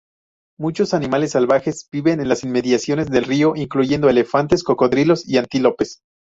Muchos animales salvajes viven en las inmediaciones del río, incluyendo elefantes, cocodrilos y antílopes.